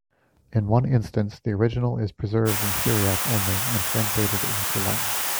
In one instance, the original is preserved in Syriac only and translated into Latin.